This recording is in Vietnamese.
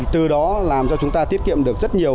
từ đó làm cho chúng ta tiết kiệm được rất nhiều